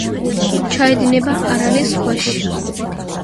ჩაედინება არალის ზღვაში.